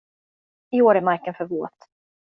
I år är marken för våt.